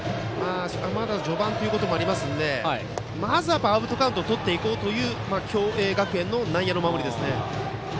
まだ序盤ということもありますのでまずはアウトカウントをとっていこうという共栄学園の内野の守りですよね。